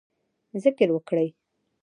ذکر وکړئ